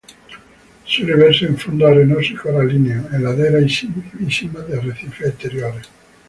Suele verse en fondos arenosos y coralinos, en laderas y simas de arrecifes exteriores.